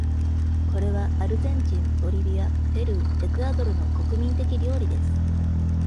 これはアルゼンチン、ボリビア、ペルー、エクアドルの国民的料理です。